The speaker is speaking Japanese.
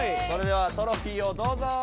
それではトロフィーをどうぞ。